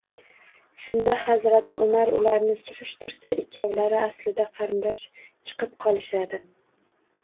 Shunda Hazrati Umar ularni surishtirsa, ikkovlari aslida qarindosh chiqib qolishadi